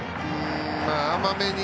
甘めに。